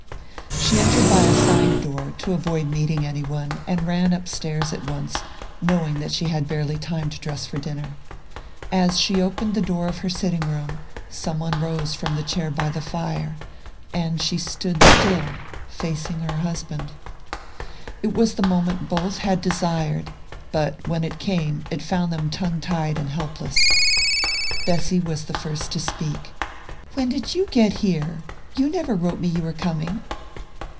She entered by a side door, to avoid meeting any one, and ran upstairs at once, knowing that she had barely time to dress for dinner. As she opened the door of her sitting room some one rose from the chair by the fire, and she stood still, facing her husband.... It was the moment both had desired, yet when it came it found them tongue tied and helpless. Bessy was the first to speak. "When did you get here? You never wrote me you were coming!"